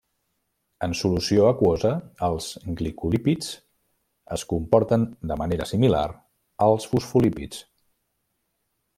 En solució aquosa, els glicolípids es comporten de manera similar als fosfolípids.